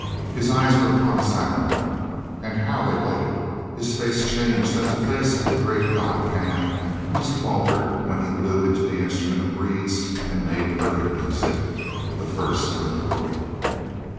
His eyes were upon Silent, and how they lighted! His face changed as the face of the great god Pan must have altered when he blew into the instrument of reeds and made perfect music, the first in the world.